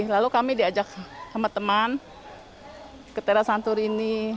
lalu kami diajak sama teman ke tera santorini